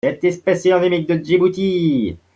Cette espèce est endémique de Djibouti.